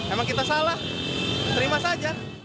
emang kita salah terima saja